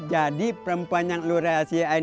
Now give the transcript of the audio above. jadi perempuan yang lu reasiin